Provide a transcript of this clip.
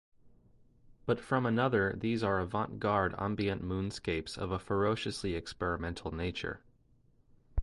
But from another these are avant garde ambient moonscapes of a ferociously experimental nature.